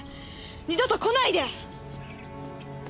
二度と来ないで！